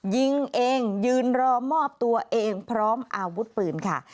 ยิงเองยืนรอมอบตัวเองพร้อมอาวุธปืนค่ะ